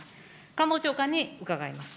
官房長官に伺います。